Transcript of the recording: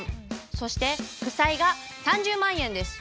そして負債が３０万円です。